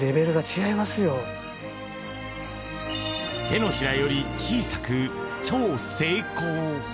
手のひらより小さく、超精巧。